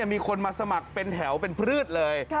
มีคนมาสมัครเป็นแถวเป็นพืชเลย